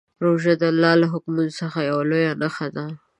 روژه د الله له حکمونو څخه یوه لویه نښه ده.